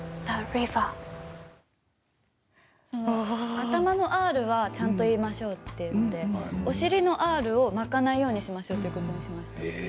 頭のＲをちゃんと言いましょうということでお尻のＲを巻かないようにしましょうということにしました。